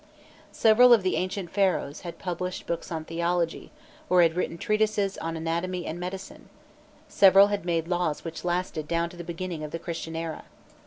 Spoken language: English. Several of the ancient Pharaohs had published books on theology, or had written treatises on anatomy and medicine; several had made laws which lasted down to the beginning of the Christian era.